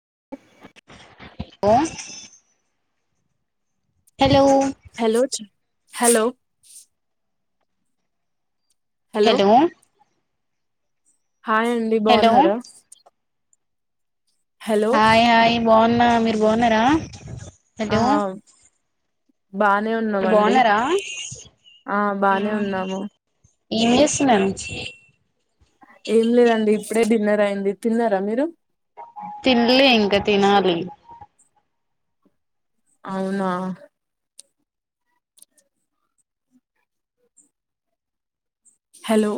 [inaudible] ఓ. Hello. Hello చ- hello. Hello hello. Hi అండి బాగున్నారా. హలో హాయ్ హాయ్ బాన్. నా మీరు బాగున్నారా. ఆ. హలో బానే మీరు ఉన్నామండి, బాగున్నారా ఆ బానే ఉన్నాము. ఎం జేస్తున్నారు. ఏం లేదండి ఇప్పుడే డిన్నర్ అయింది తిన్నారా మీరు. తిల్లే ఇంకా తినాలి. అవునా. Hello.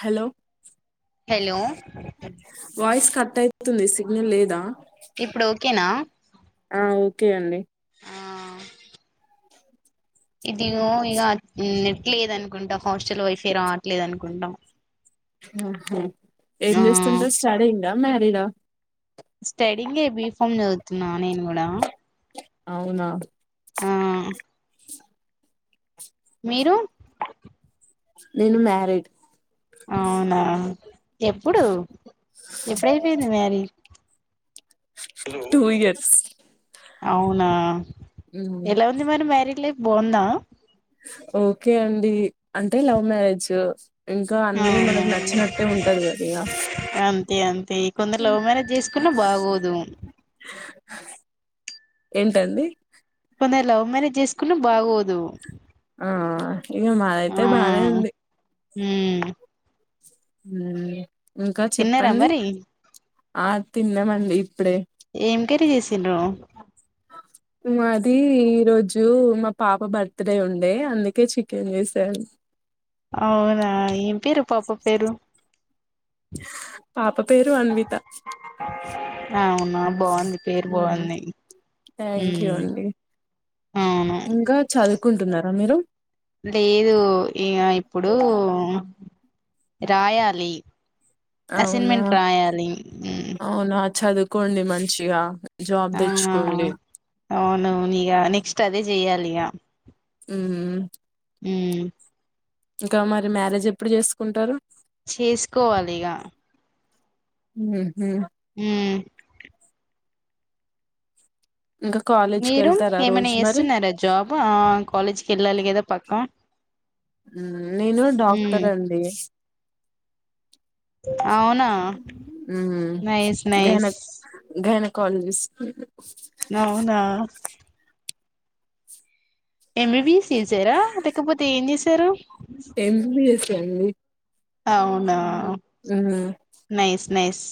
Hello. Hello. Voice. Cut అయితుంది సిగ్నల్ లేదా. ఇప్పుడు ఓకేనా. అ ఓకే అండి. ఆ ఇది గొ ఇక ఉమ్ నెట్ లేదనుకుంటా హాస్టల్ ఇవైఫ్ రా అవట్లేదు అనుకుంటా. ఆహా. ఏం చేస్తుంటారు స్టాడిన్. దమేరిద. ఎమ్ మే బీఫమ్ చదువుతున్న నేను గుడ. అవునా. ఆ. మీరు. నేను మారీడ్ అవునా ఎప్పుడు ఎప్పుడైపోయింది మ్యారీ టూ ఇయర్స్ అవునా ఉమ్. ఎలా ఉంది మరి మారి లె బాఉందా ఓకే అండి అంటే లవ్ మ్యారేజు అవునవును కదా ఇగ అంతే అంతే కొందరు లవ్ మ్యారేజ్ చేసుకున్నా బాగోదు ఏంటండి కొందరు లవ్ మేరేజ్ చేసుకున్న బాగోదు ఆ ఇగ మాదైతే బానే ఉంది మ్మ్ మ్మ్ ఇంకా తిన్నారా చెప్పండి మరి ఆ తిన్నామండి ఇప్పుడే ఏం కర్రి చేసిండ్రు మాది ఈ రోజు మా పాప బర్త్ డే ఉండే అందుకే చికెన్ జేసాను అవునా ఏం పేరు పాప పేరు పాప పేరు అన్విత, అవునా బాగుంది పేరు మ్మ్ బాగుంది థ్యాంక్యు ఉమ్ అండి అవును ఇంకా చదువుకుంటున్నారా మీరు లేదు ఇగ ఇప్పుడు రాయాలి అవునా అసైన్మెంట్ రాయాలి మ్ అవునా చదువుకోండి మంచిగా జాబ్ ఆవునా తెచ్చుకోండి అవును ఇగ నెక్స్ట్ అదే చెయాలి ఇగ మ్మ్ మ్మ్ ఇంకా మరి మ్యారేజ్ ఎప్పుడు జేసుకుంటరు చేసుకోవాలిగా మ్మ్హ్ మ్మ్ ఇంకా కాలేజ్కి మీరు వెళ్తారా ఏమైనా రోజు మరి చేస్తున్నారా జాబ్, ఆ కాలేజ్కి ఎళ్ళాలి కదా పక్క మ్మ్ నేను మ్మ్ డాక్టర్ అండి అవునా, మ్మ్ నైస్ నైస్ కాలజస్ కి అవునా ఎం బి బి స్ చేసారా లేకపోతే ఎం జెసర్ తరు ఎంబిఎస్ అండి అవునా అ నెస్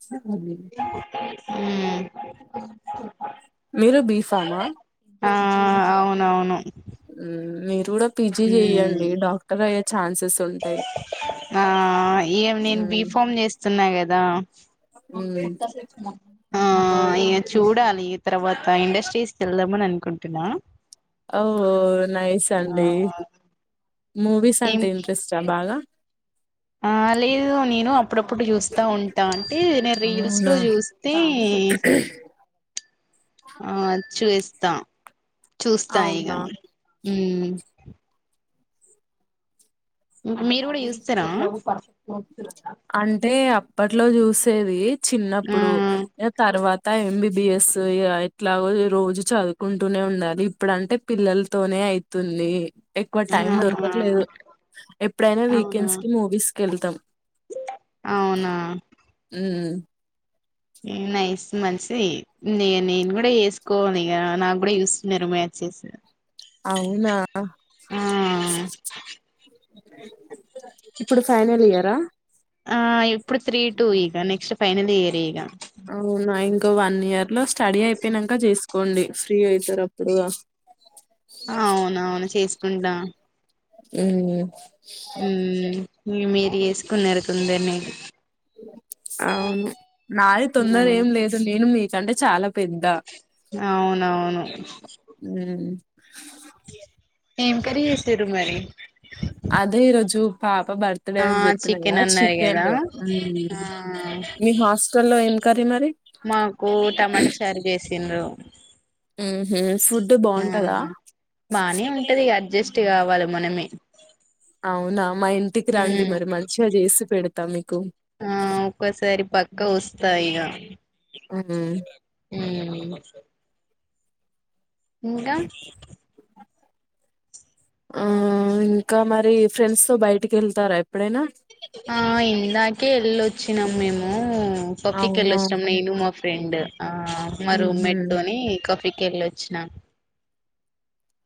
[unintelligible] అ మీరు బీఫమా ఆ అవునవును మీరు చూ పీజీ మ్మ్ చెయ్యడి డాక్టర్గా అ ఆ ఏమి నేను బిఫామ్ చేస్త చిన్నగదా కుత్త స ఆ ఇ చూడాలి తర్వాత ఇండస్ట్రీస్కి వెళ్దామని అనుకుంటున్నా ఓ నైస్ ఆ అండి మూవీస్ ఏం అంటే ఇంట్రెస్టా బాగా ఆ అ లేదు నను అ అప్పుడప్పుడు చూస్తా ఉంటా అంటే నేను రీల్స్ లో అవునా చూస్తే ఆ చూస్తా చూస్తా ఇగా అవునా ఉ మీరు కూడా చూస్తారా అంటే అప్పట్లో చూసేది ఆ చిన్నప్పుడు తర్వాత ఎంబీబిఎస్ ఎట్లాగో రోజు చదువుకుంటూనే ఉండాలి ఇప్పుడంటే పిల్లలతోనే అయితుంది ఎక్కువ టైం ఆహా దొరకట్లేదు ఎప్పుడైనా అవునా వీకెండ్స్ కి మూవీస్ క వెళ్తాం అవునా ఆ నైస్ మంచి న నేను కూడా వేసుకోవాలి నాకు కూడా చూస్తు నిర్మచ్చేసి అవునా ఇప్పుడు ఫైనల్ ఇయరా ఆ ఇప్పుడు త్రీ టూ ఇక నెక్స్ట్ ఫైనలీ ఇయర్ ఇగా అవునా ఇంకా వన్ ఇయర్ లో స్టడీ అయిపోయినాక చేసుకోండి ఫ్రీ అయితారు అప్పుడు ఉంటా మ్మ్ మ్మ్ మ్మ్ మ్మ్ మీరు వేసుకున్నారుకుండానేది అవును నాది తొందర ఏం లేదు నేను మీ అంటే చాలా పెద్ద అవునవును ఉమ్ ఏం కర్రీ చేస్తారు మరి అదే ఈరోజు పాప్ బర్త్ డే ఆ అని చెప్పినా చికెన్ కాద అన్నారు చికెన్ కదా హ్మ్ ఆ మీ హాస్టల్ లో ఎంన్ కర్రీ మరి మాకు టమాటా చారు చేసిండ్రు హు హ్మ్ ఫుడ్ ఆ బావుంటదా జెస్ట్ కావాలి మనమే అవునా మా ఇంటికి రండి మ్మ్ మరి మంచిగా చేసి పేడ్ తము ఆ ఒక్కొసారి పక్క వస్తా ఇగా ఉమ్ అ మ్మ్ ఇంకా ఆ ఇంకా మరి ఫ్రెండ్స్ తో బయటికి వెళ్తారా ఎప్పుడైనా ఆ ఇందాకే ఎల్లోచ్చినాం మేము మ్ కొక్కీకి అవునా వెళ్లొచ్చిన్నాం నేను మా ఫ్రె రెండు ఆ మరు ఉహు మెట్టు అని కాఫీ కే వెళ్ళొచ్చాన్నాం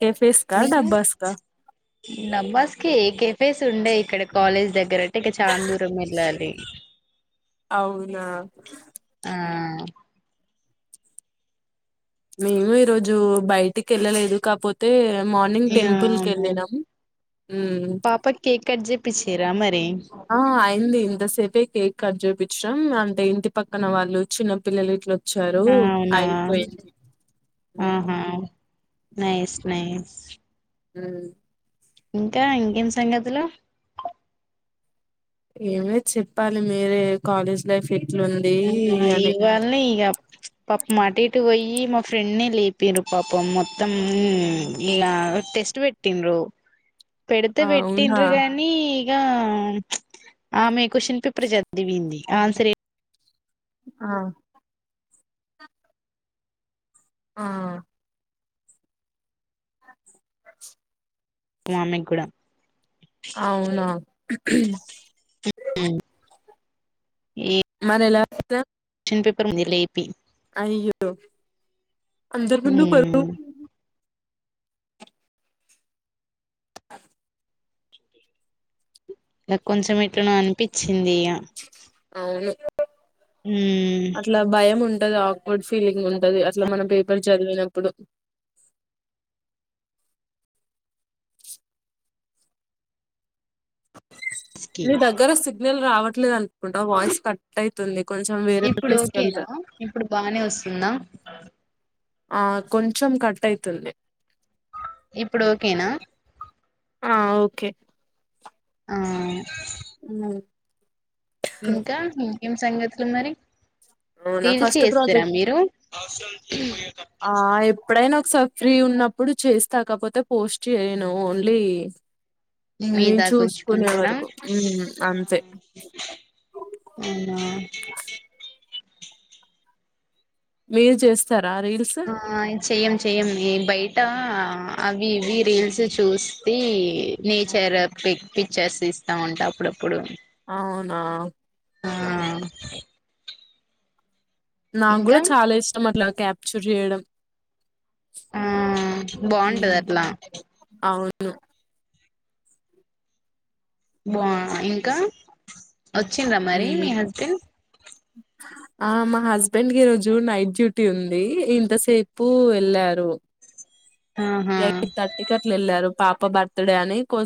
ఏ ఫేస్కా డబ్బా స్కా కె కేఫేస్ ఉండే ఇక్కడ కాలేజ్ దగ్గర అంటే ఇక చాన్ దూరం వెళ్ళాలి అవునా ఆ మేము ఈరోజు బయ్టికి వెళ్ళలేదు కాపోతే మార్నింగ్ యా టెంపుల్క్ అవును వెళ్ళినాం హ్మ్ పాపకి కేక్ కట్ చెప్పిచ్చిరా మరి ఆ అయింది ఇంత సెపే కేక్ కజేబిట్ అంటే ఇంటి పక్కన వాళ్ళు చిన్న పిల్లలు ఇట్లొ చ్చారు ఆ అవునా అయిపోయింది ఆహా నైస్ నైస్ మ్ ఇంకా ఇంకేం సంగతులూ ఏమ్లె చెప్పాలి మీరే కాలేజ్ లైఫ్ ఎ ఇవాళ్నే ఇగ పాపం అట ఇటు పోయి మా ఫ్రెండ్ నే లేపిన్రు పాపం మొత్తం ఇలా టెస్ట్ పెట్టిన్రు పెడితే అవునా పెట్టిండ్రు గానీ అ ఆమె క్వషన్ పేపర్ చదివింది ఆ సరే ఆ ఆ అ ఆమెగుడా అవునా ఏ మనలా క్వశ్చన్ పేపర్ ముంది లేపీ అయ్యొ అందరు ముందు పరువ్ కొంచెం ఇట్లు నో అనిపిచి ఇందియా అవును అట్లా భయం ఉంట్ ఉంట ఆక్వర్డ్ ఫీలింగ్ ఉంటది అట్లా మన పేపర్ చదివినప్పుడు ఇక లేదగ్గరస్ నల్ రావట్లేదు అనుకుంటా వాయిస్ కట్ అవుతుంది ఇప్పుడు ఓకేనా ఇప్పుడు బానే వస్సుందా ఆ కొంచెం కట్ ఐతుంది ఇప్పుడు ఓకేనా ఆ ఓకే ఆ మ్ ఇంకా ఏం సంగతులు ఉ మరి అవునా పీల్చి ఫస్ట్ చేస్తారా ప్రాజెక్ట్ మీరు ఆ ఎప్పుడైనా ఫ్రీ ఉన్నప్పుడు చేస్తా కాకపోతే పోస్ట్ చేయను ఓన్లీ మీ నేను దా చూసుకునే ఉంచుకుంటారా వరకు ఉమ్, అంతే అవునా మీరు చేస్తారు ఆ చెయ్యం చెయ్యం న బయట అవివి రీల్స్ చూస్త నేచర్ పి పిక్చర్స్ ఇస్తా ఉంటా అప్పుడప్పుడు అవునా ఆ నాకు ఇంకా కూడా చాలా ఇష్టం అట్లా క్యాప్చర్ చేయడం ఆ బాగుంటది అట్లా అ బా ఇంకా వచ్చింద్రా మరి మ్మ్ మీ హస్బెండ్ ఆ మా హస్బెండ్కి రోజు నైట్ డ్యూటీ ఉంది ఇంతసేపు వెళ్లారు ఆహా ఎటి కట్లరు పాప బర్త్ డే అని కొ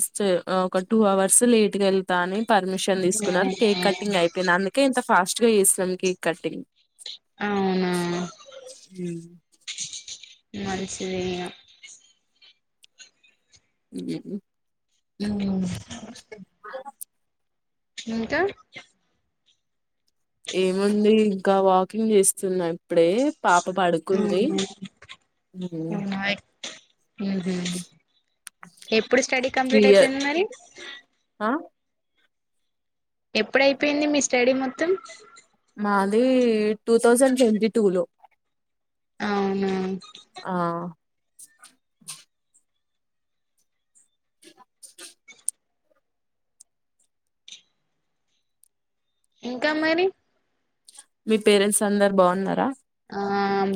ఒక టూ అవర్స్ లేట్ గా వెళ్తా అని పర్మిషన్ తీసుకున్నారు కేక్ కటింగ్ అయిపోయిన అందుకే ఇంత ఫాస్ట్ గా చేేస్తుంకిక్ కట్టింగ్ అవునా హ్మ్. మనంచిదే ఉ ఉ ఇంకా ఏముంది ఇంకా వాకింగ్ చేస్తున్నాయి ఇప్పుడే పాప పడుకుంది ఉమ్, ఉ ఎప్పుడు స్టడీ త్రీ కంప్లీట్ ఇయర్ అయిపోయింది మరి ఆ ఎప్పుడైపోయింది మీ స్టడీ మొత్తం మాది టూ థౌజండ్ ట్వంటీ టూ లో అవును ఆ ఇంకా మరి మీ పేరెంట్స్ అందరు బాగున్నారా ఆ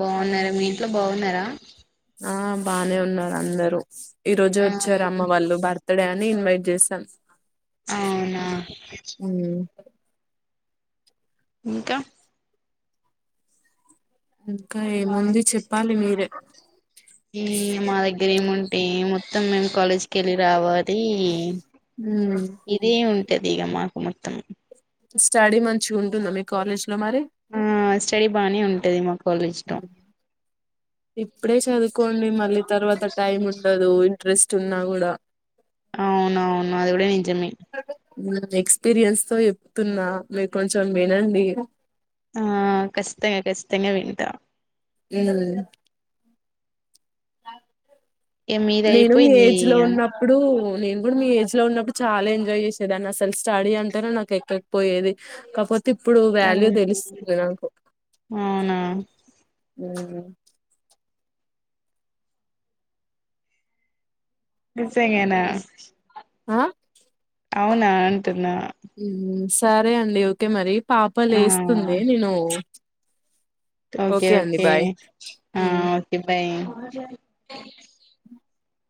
బాగున్నారా మీ ఇంట్లో బాగున్నారా ఆ బానే ఉన్నారు అందరూ ఈ రోజు ఆ వచ్చారు అమ్మ వాళ్ళు బర్త్డే అని ఇన్వైట్ చేశాన్ అవునా ఇంకా ఇంకా ఏముంది చెప్పాలి మీరే ఈ మా దగ్గర ఏముంటే ఏమ త్తమే కాలేజకి వెళ్ళి రావాలి ఉమ్, ఇదే ట్టది మాకు మొత్తం స్టడీ మంచిగుంటుందా మీ కాలేజ్ లో మరి ఆ స్టడీ బాగానే ఉంటది మా కాలేజ్ లో ఇప్పుడే చదువుకోండి మ ళ్ళీ తర్వాత టైమ్ ఉండదు ఇంట్రెస్ట్ ఉన్నా కూడా అవున అవును అది కూడ నిజమే న ఎక్స్పీరియన్స్ తో చెప్తున్నా మీరు కొంచెం వినండి ఆ కఖచ్చితంగా కఖచ్చితంగా వింటా ఉం ఇక మీది నేను మీ అయిపోయింది ఏజ్ లో ఉన్నప్పుడు నేను కూడా మీ ఏజ్ లో ఉన్నప్పుడు చాలా ఎంజాయ్ చేసేదాన్ని అసల్ స్టడీ అంటేనే నాకు ఎక్కకపోయేది కాపోతే ఇప్పుడు ఇక వాల్యూ తెలుస్తుంది నాకు అవునా ఉం నిజంగానా ఆ అవునా అంటున్నా ఉం సరే అండి ఓకే మరి పాప ఆ లేస్తుంది నేను ఓకే అండి ఓకే బాయ్ ఆ హ్మ్. ఓకే బాయ్ [unintelligible] అ